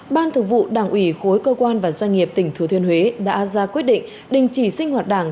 ban thực vụ đảng ủy khối cơ quan và doanh nghiệp tỉnh thừa thiên huế đã ra quyết định đình chỉ sinh hoạt đảng